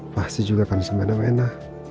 pasti juga kan semena mena